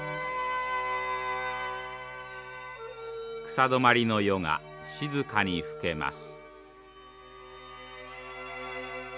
草泊まりの夜が静かに更けます。